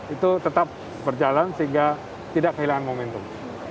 itu tetap berjalan sehingga tidak kehilangan momentum